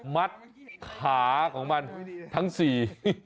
มัดขาของมันทั้งสี่